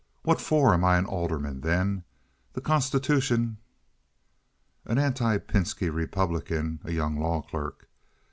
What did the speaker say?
What for am I an alderman, then? The constitution..." An Anti Pinski Republican (a young law clerk).